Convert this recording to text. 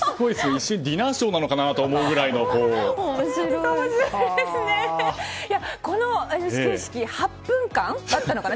一瞬、ディナーショーなのかなとこの始球式は８分間だったのかな。